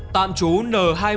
tạm chú n hai mươi chín